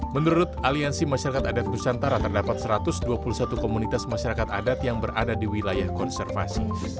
menurut aliansi masyarakat adat nusantara terdapat satu ratus dua puluh satu komunitas masyarakat adat yang berada di wilayah konservasi